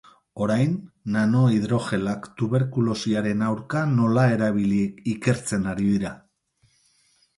Orain, nanohidrogelak tuberkulosiaren aurka nola erabili ikertzen ari dira.